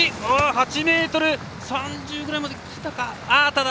８ｍ３０ぐらいまできたか。